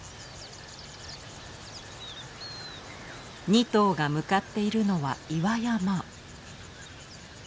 ２頭が向かっているのは岩山。